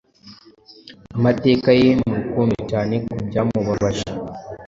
amateka ye mu rukundo cyane ku byamubabaje